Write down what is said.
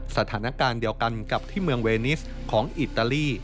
สถานการณ์เดียวกันกับที่เมืองเวนิสของอิตาลี